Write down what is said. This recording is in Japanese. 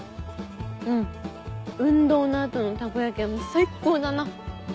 うん運動の後のたこ焼きは最高だな。